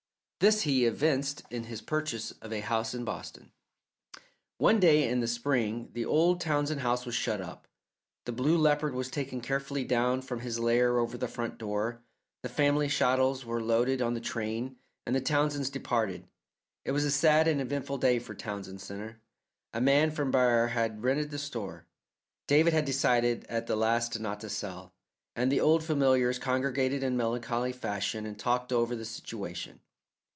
This he evinced in his purchase of a house in Boston. One day in spring the old Townsend house was shut up, the Blue Leopard was taken carefully down from his lair over the front door, the family chattels were loaded on the train, and the Townsends departed. It was a sad and eventful day for Townsend Centre. A man from Barre had rented the store David had decided at the last not to sell and the old familiars congregated in melancholy fashion and talked over the situation.